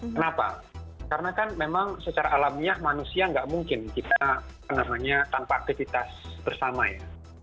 kenapa karena kan memang secara alamiah manusia nggak mungkin kita tanpa aktivitas bersama ya